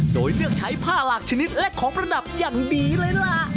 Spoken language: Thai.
โดยเลือกใช้ผ้าหลากชนิดและของประดับอย่างดีเลยล่ะ